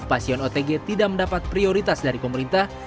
pasien otg tidak mendapat prioritas dari pemerintah